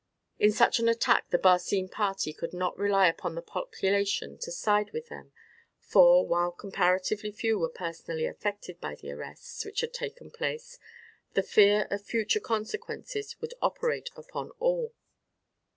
In such an attack the Barcine party could not rely upon the population to side with them; for, while comparatively few were personally affected by the arrests which had taken place, the fear of future consequences would operate upon all.